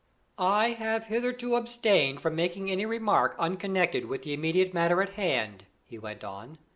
"I have hitherto abstained from making any remark unconnected with the immediate matter in hand," he went on.